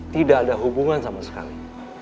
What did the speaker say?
tidak ada hubungan sama sekali